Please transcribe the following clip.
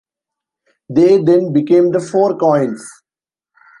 They then became The Four Coins.